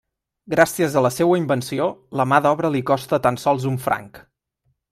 Gràcies a la seua invenció, la mà d'obra li costa tan sols un franc.